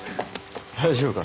大丈夫か？